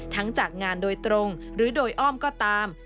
จากงานโดยตรงหรือโดยอ้อมก็ตาม